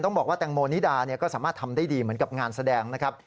บอกว่าแตงโมนิดาก็สามารถทำได้ดีเหมือนกับงานแสดงนะครับ